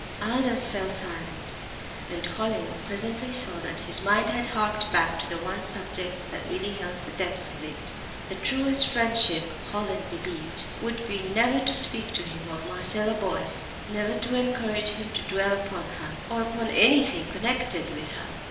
Aldous fell silent, and Hallin presently saw that his mind had harked back to the one subject that really held the depths of it. The truest friendship, Hallin believed, would be never to speak to him of Marcella Boyce never to encourage him to dwell upon her, or upon anything connected with her.